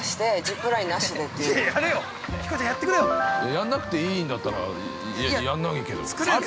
◆やんなくていいんだったらやんないけど、ある？